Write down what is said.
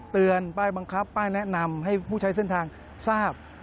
เตือนป้ายบังคับป้ายแนะนำให้ผู้ใช้เส้นทางทราบ